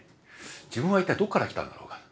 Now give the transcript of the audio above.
自分は一体どっから来たんだろうか？